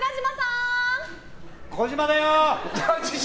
児嶋だよ！